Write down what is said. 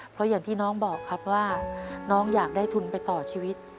เพราะอย่างที่น้องบอกครับว่าน้องอยากได้ทุนไปต่อชีวิต